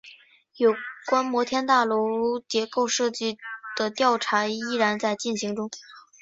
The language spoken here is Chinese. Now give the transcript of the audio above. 有关摩天大楼结构设计的调查依然在进行中。